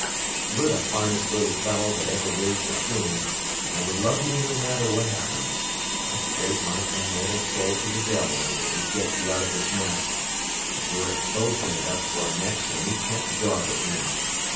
"You're the finest little fellow that ever waved a plume, and I would love you no matter what happened. I'd trade my immortal soul to the devil if it would get you out of this mess, but we're both in it up to our necks and we can't dog it now.